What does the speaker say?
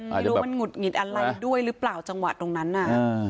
ไม่รู้มันหุดหงิดอะไรด้วยหรือเปล่าจังหวะตรงนั้นน่ะ